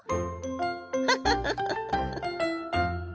フフフフ。